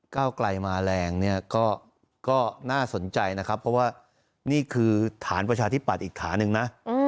เก้าไกลมาแรงเนี่ยก็น่าสนใจนะครับเพราะว่านี่คือฐานประชาธิปัตย์อีกฐานหนึ่งนะ